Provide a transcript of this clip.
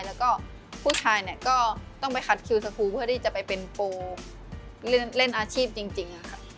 แล้วก็ผู้ชายเนี่ยก็ต้องไปคัดคิวสกูลเพื่อที่จะไปเป็นโปรเล่นอาชีพจริงค่ะ